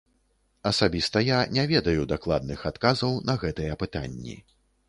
Асабіста я не ведаю дакладных адказаў на гэтыя пытанні.